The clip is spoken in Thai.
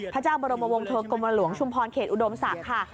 พระเจ้าบรมวงเทอร์กรมหลวงชุมพรเขตอุดมศักดิ์ค่ะ